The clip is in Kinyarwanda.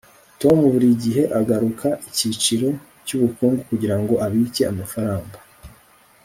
tom buri gihe aguruka icyiciro cyubukungu kugirango abike amafaranga